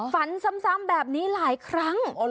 ฝันซ้ำแบบนี้หลายครั้ง